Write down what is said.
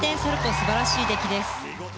素晴らしい出来です。